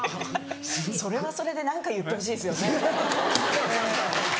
それはそれで何か言ってほしいですよね。